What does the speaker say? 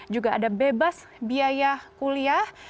juga ada bebas biaya kuliah